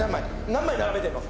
何枚並べてんの？